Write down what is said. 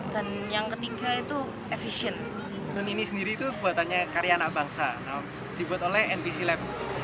dan yang ketiga itu efisien drone ini sendiri itu buatannya karya anak bangsa dibuat oleh nbc lab